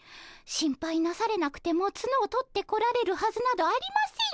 心配なされなくてもツノを取ってこられるはずなどありませんよ。